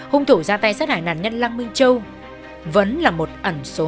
hung thủ ra tay sát hại nạn nhân lăng minh châu vẫn là một ẩn số